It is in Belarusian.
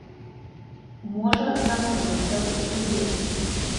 Можа знаходзіцца ў судзе.